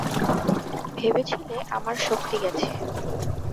ভেবেছিলে আমার শক্তি গেছে।